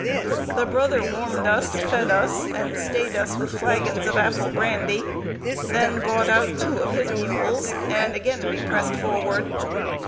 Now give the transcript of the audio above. The brother warmed us, fed us, and "stayed us with flagons" of apple brandy; then brought out two of his mules, and again we pressed forward.